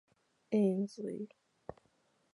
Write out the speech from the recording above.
Ainslie.